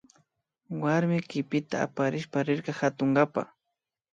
Warmi kipita aparishpa rirka katunkapa